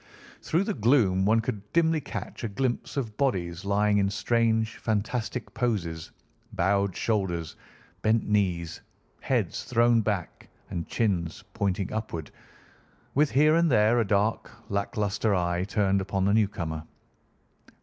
Through the gloom one could dimly catch a glimpse of bodies lying in strange fantastic poses, bowed shoulders, bent knees, heads thrown back, and chins pointing upward, with here and there a dark, lack lustre eye turned upon the newcomer.